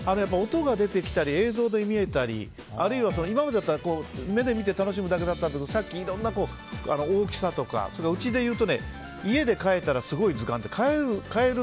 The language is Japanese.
音が出てきたり映像で見えたりあるいは今までだったら目で見て楽しむだけだったけどさっきいろんな大きさとかうちで言うと家で飼えたらすごい図鑑って飼える